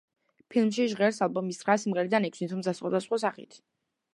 ფილმში ჟღერს ალბომის ცხრა სიმღერიდან ექვსი, თუმცა სხვადასხვა სახით.